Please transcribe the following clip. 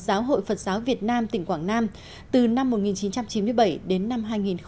giáo hội phật giáo việt nam tỉnh quảng nam từ năm một nghìn chín trăm chín mươi bảy đến năm hai nghìn một mươi